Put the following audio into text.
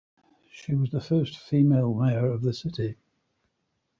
She was the first female mayor of the city.